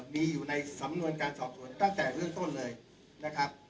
มีอยู่ในสำนวนการสอบสวนตั้งแต่เรื่องต้นเลยนะครับ